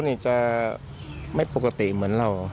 ทีมข่าวเราก็พยายามสอบปากคำในแหบนะครับ